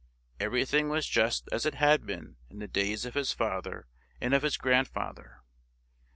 Everything was just as it had been in the days of his father and of his grandfather.